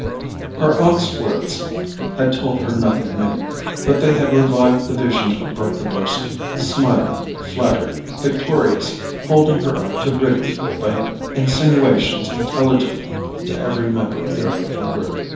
Her aunt's words had told her nothing new; but they had revived the vision of Bertha Dorset, smiling, flattered, victorious, holding her up to ridicule by insinuations intelligible to every member of their little group.